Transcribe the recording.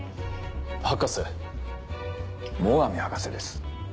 博士？最上博士です。